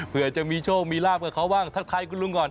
เพื่อจะมีโชคมีลาบกับเขาบ้างทักทายคุณลุงก่อน